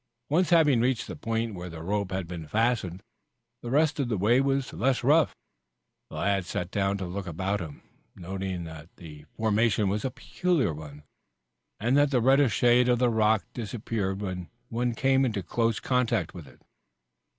Once having reached the point where the rope had been fastened, the rest of the way was less rough. The lad sat down to look about him, noting that the formation was a peculiar one, and that the reddish shade of the rock disappeared when one came into close contact with it.